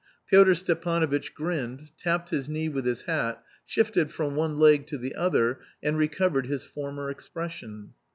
Pyotr Stepanovitch grinned, tapped his knee with his hat, shifted from one leg to the other, and recovered his former expression.